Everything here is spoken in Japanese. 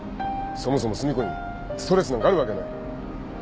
そもそも寿美子にストレスなんかあるわけない。